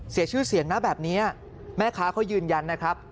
เสียชื่อเสียงนะแบบนี้แม่ค้าเขายืนยันนะครับ